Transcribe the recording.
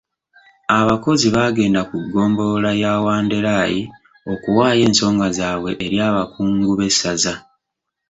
Abakozi baagenda ku ggombolola ya Wanderai okuwaayo ensonga zaabwe eri abakungu b'essaza.